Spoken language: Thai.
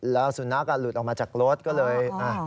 แล้วสุนัขหลุดออกมาจากรถก็เลย